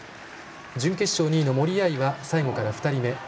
準決勝２位の森秋彩は最後から２番目。